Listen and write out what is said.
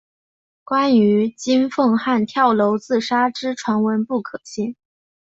关于金凤汉跳楼自杀之传闻不可信。